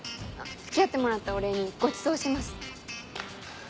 付き合ってもらったお礼にごちそうします。